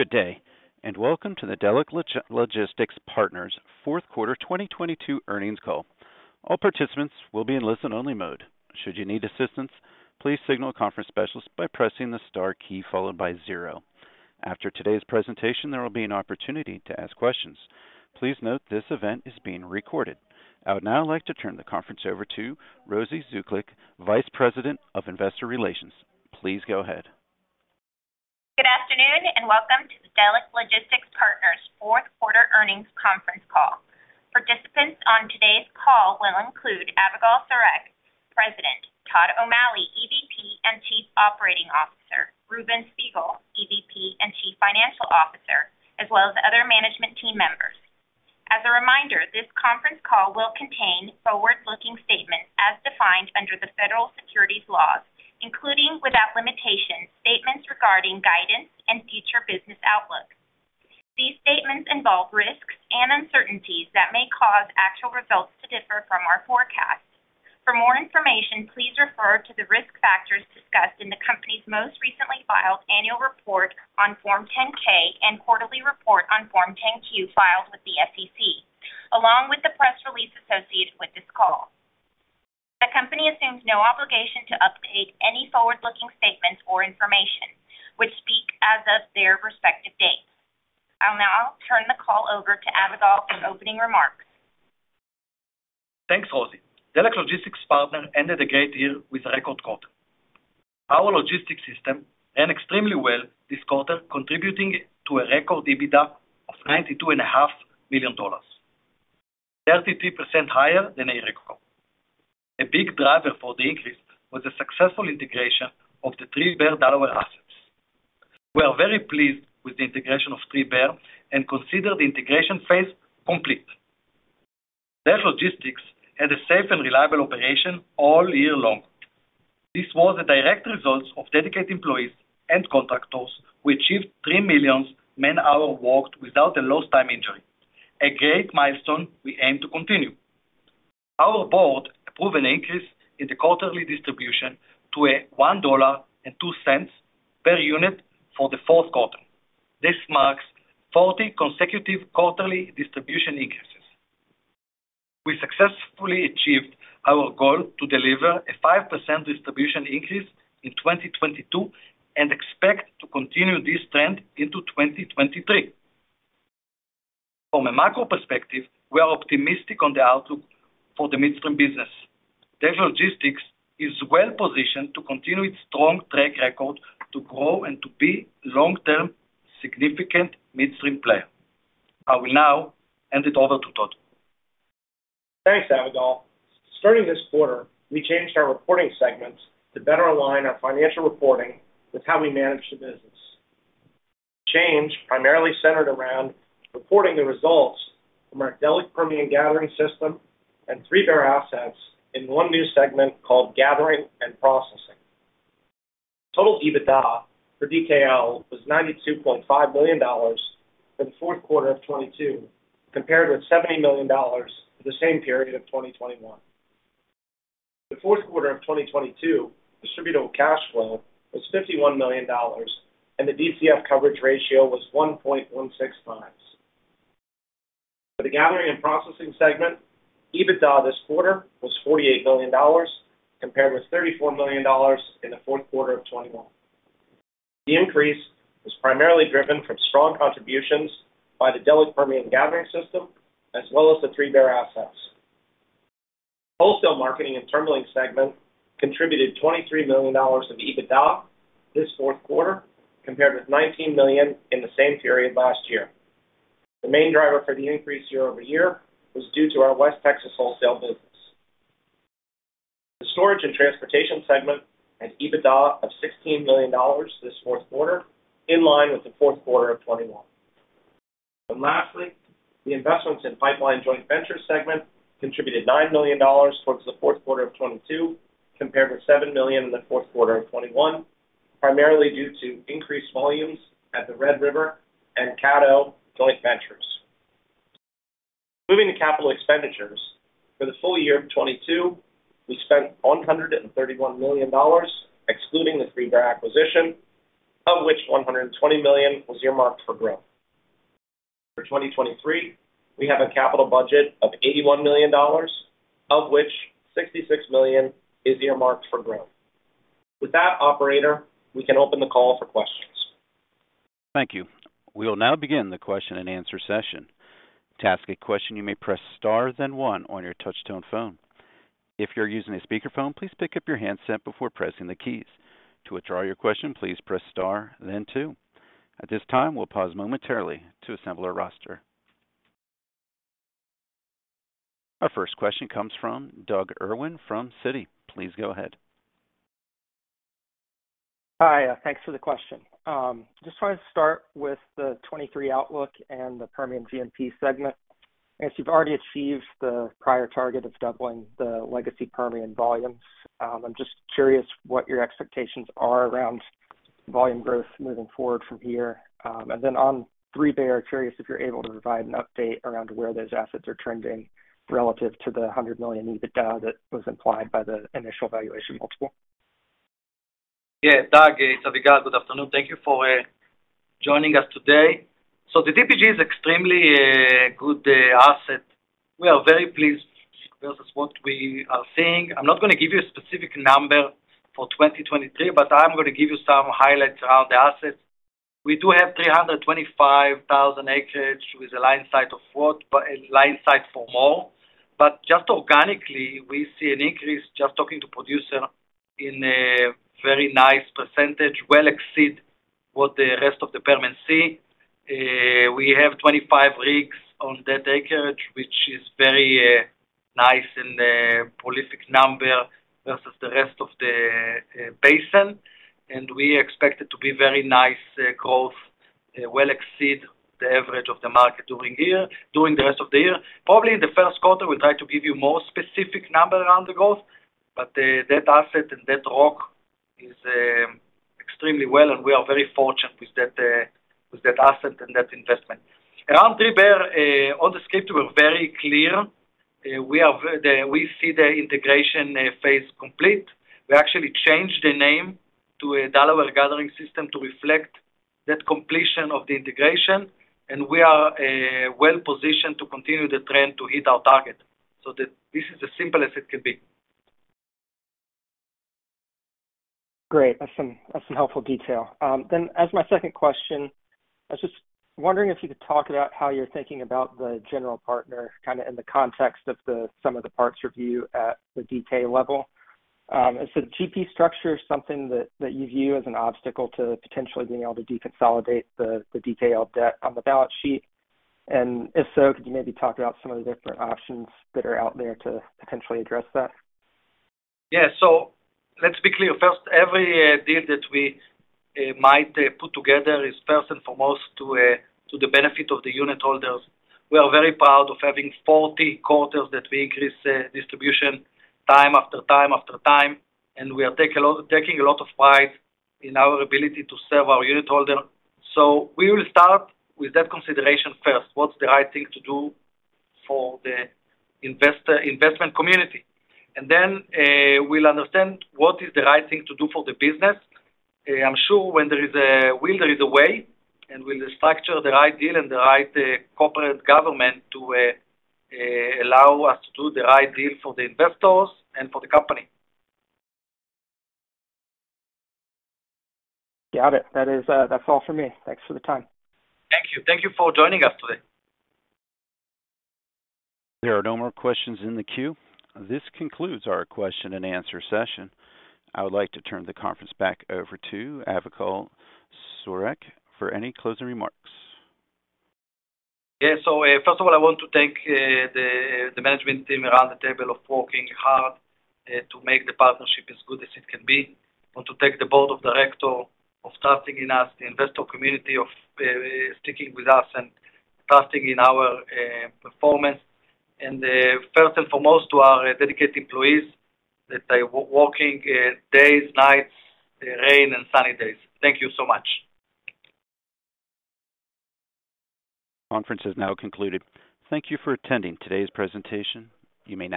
Good day welcome to the Delek Logistics Partners fourth quarter 2022 earnings call. All participants will be in listen-only mode. Should you need assistance, please signal a conference specialist by pressing the star key followed by zero. After today's presentation, there will be an opportunity to ask questions. Please note this event is being recorded. I would now like to turn the conference over to Rosy Zuklic, Vice President of Investor Relations. Please go ahead. Good afternoon and welcome to the Delek Logistics Partners fourth quarter earnings conference call. Participants on today's call will include Avigal Soreq, President, Todd O'Malley, EVP and Chief Operating Officer, Reuven Spiegel, EVP and Chief Financial Officer, as well as other management team members. As a reminder, this conference call will contain forward-looking statements as defined under the Federal Securities laws, including without limitation statements regarding guidance and future business outlook. These statements involve risks and uncertainties that may cause actual results to differ from our forecasts. For more information, please refer to the risk factors discussed in the company's most recently filed annual report on Form 10-K and quarterly report on Form 10-Q filed with the SEC, along with the press release associated with this call. The company assumes no obligation to update any forward-looking statements or information which speak as of their respective dates. I'll now turn the call over to Avigal for opening remarks. Thanks, Rosy. Delek Logistics Partners ended a great year with a record quarter. Our logistics system ran extremely well this quarter, contributing to a record EBITDA of $92.5 million, 33% higher than a record. A big driver for the increase was the successful integration of the 3Bear Delaware Assets. We are very pleased with the integration of 3Bear and consider the integration phase complete. Delek Logistics had a safe and reliable operation all year long. This was a direct result of dedicated employees and contractors. We achieved 3 million man-hours worked without a lost time injury, a great milestone we aim to continue. Our board approved an increase in the quarterly distribution to a $1.02 per unit for the fourth quarter. This marks 40 consecutive quarterly distribution increases. We successfully achieved our goal to deliver a 5% distribution increase in 2022 and expect to continue this trend into 2023. From a macro perspective, we are optimistic on the outlook for the midstream business. Delek Logistics is well-positioned to continue its strong track record to grow and to be long-term significant midstream player. I will now hand it over to Todd. Thanks, Avigal. Starting this quarter, we changed our reporting segments to better align our financial reporting with how we manage the business. Change primarily centered around reporting the results from our Delek Permian Gathering system and 3Bear assets in one new segment called Gathering and Processing. Total EBITDA for DKL was $92.5 million for the fourth quarter of 2022, compared with $70 million for the same period of 2021. The fourth quarter of 2022 distributable cash flow was $51 million, and the DCF coverage ratio was 1.16 times. For the Gathering and Processing segment, EBITDA this quarter was $48 million, compared with $34 million in the fourth quarter of 2021. The increase was primarily driven from strong contributions by the Delek Permian Gathering system as well as the 3Bear assets. Wholesale Marketing and Terminalling segment contributed $23 million of EBITDA this fourth quarter, compared with $19 million in the same period last year. The main driver for the increase year-over-year was due to our West Texas wholesale business. The Storage and Transportation segment had EBITDA of $16 million this fourth quarter, in line with the fourth quarter of 2021. Lastly, the Investments in Pipeline Joint Venture segment contributed $9 million towards the fourth quarter of 2022, compared with $7 million in the fourth quarter of 2021, primarily due to increased volumes at the Red River and Caddo joint ventures. Moving to capital expenditures. For the full year of 2022, we spent $131 million, excluding the 3Bear acquisition, of which $120 million was earmarked for growth. For 2023, we have a capital budget of $81 million, of which $66 million is earmarked for growth. With that, operator, we can open the call for questions. Thank you. We will now begin the question and answer session. To ask a question, you may press star then one on your touch tone phone. If you're using a speakerphone, please pick up your handset before pressing the keys. To withdraw your question, please press star then two. At this time, we'll pause momentarily to assemble our roster. Our first question comes from Doug Irwin from Citi. Please go ahead. Hi. Thanks for the question. Just wanted to start with the 23 outlook and the Permian G&P segment. As you've already achieved the prior target of doubling the legacy Permian volumes, I'm just curious what your expectations are around volume growth moving forward from here. On 3Bear, curious if you're able to provide an update around where those assets are trending relative to the $100 million EBITDA that was implied by the initial valuation multiple? Yeah, Doug, it's Avigal. Good afternoon. Thank you for joining us today. The DPG is extremely good asset. We are very pleased versus what we are seeing. I'm not gonna give you a specific number for 2023, but I'm gonna give you some highlights around the assets. We do have 325,000 acreage with a line sight for more. Just organically, we see an increase just talking to producer in a very nice percentage, well exceed what the rest of the Permian see. We have 25 rigs on that acreage, which is very nice and a prolific number versus the rest of the basin. We expect it to be very nice growth, well exceed the average of the market during the rest of the year. Probably in the first quarter, we'll try to give you more specific number around the growth, that asset and that rock is extremely well, and we are very fortunate with that asset and that investment. Around 3Bear, all the script were very clear. We see the integration phase complete. We actually changed the name to a Delaware Gathering System to reflect that completion of the integration, and we are well-positioned to continue the trend to hit our target. This is as simple as it could be. Great. That's some helpful detail. As my second question, I was just wondering if you could talk about how you're thinking about the general partner kinda in the context of some of the parts review at the Delek Logistics level. Is the GP structure something that you view as an obstacle to potentially being able to deconsolidate the Delek Logistics debt on the balance sheet? If so, could you maybe talk about some of the different options that are out there to potentially address that? Let's be clear first. Every deal that we might put together is first and foremost to the benefit of the unitholders. We are very proud of having 40 quarters that we increase distribution time after time after time, and we are taking a lot of pride in our ability to serve our unitholder. We will start with that consideration first. What's the right thing to do for the investment community? We'll understand what is the right thing to do for the business. I'm sure when there is a will, there is a way, and we'll structure the right deal and the right corporate government to allow us to do the right deal for the investors and for the company. Got it. That is, that's all for me. Thanks for the time. Thank you. Thank you for joining us today. There are no more questions in the queue. This concludes our question and answer session. I would like to turn the conference back over to Avigal Soreq for any closing remarks. First of all, I want to thank the management team around the table of working hard to make the partnership as good as it can be. I want to thank the board of director of trusting in us, the investor community of sticking with us and trusting in our performance. First and foremost, to our dedicated employees that are working, days, nights, rain, and sunny days. Thank you so much. Conference is now concluded. Thank you for attending today's presentation. You may now disconnect.